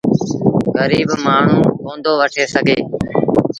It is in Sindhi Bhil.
گريٚب مآڻهوٚٚݩ ڪوندو وٺي سگھي۔